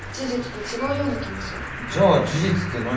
じゃあ事実って何？